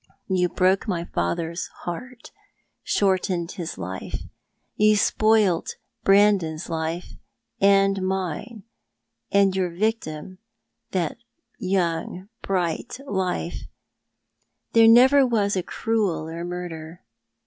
You broke my father's heart ; shortened his life. You spoilt Brandon's life and mine. And your victim — that young bright life — there never was a crueller murder.